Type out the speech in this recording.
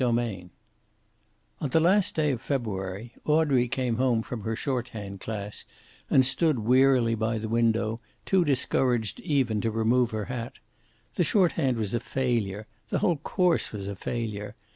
CHAPTER XXV On the last day of February Audrey came home from her shorthand class and stood wearily by the window, too discouraged even to remove her hat. The shorthand was a failure; the whole course was a failure.